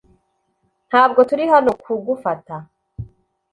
Ntabwo turi hano kugufata .